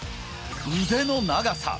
腕の長さ。